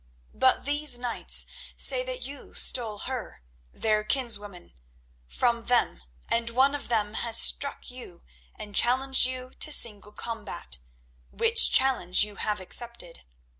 "But these knights say that you stole her, their kinswoman, from them, and one of them has struck you and challenged you to single combat, which challenge you have accepted.